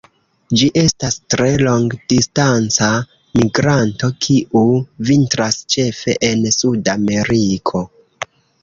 Ĝi estas tre longdistanca migranto kiu vintras ĉefe en Suda Ameriko.